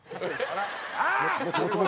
ああ！